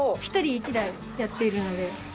一人一台やっているので。